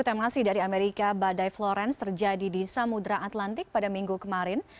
pada hari ini badan perakiraan cuaca badai florence terjadi di samudera atlantik pada minggu kemarin